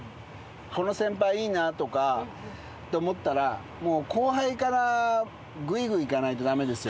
この先輩いいなとか思ったら後輩からぐいぐいいかないと駄目ですよ。